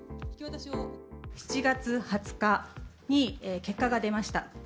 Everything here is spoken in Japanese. ７月２０日に結果が出ました。